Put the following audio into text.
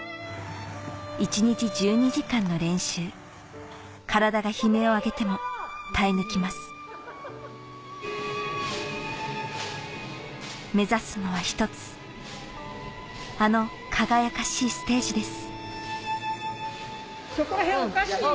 一日１２時間の練習体が悲鳴を上げても耐え抜きます目指すのは１つあの輝かしいステージです